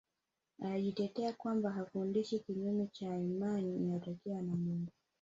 Alijitetea kwamba hafundishi kinyume cha imani inayotakiwa na Mungu